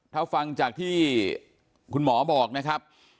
ถ้าฟังจากที่คุณหมอบอกนะครับ